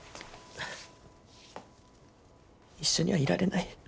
一緒にはいられない。